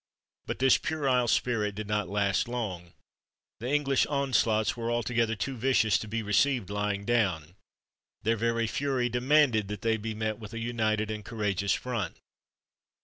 But this puerile spirit did not last long. The English onslaughts were altogether too vicious to be received lying down; their very fury demanded that they be met with a united and courageous front.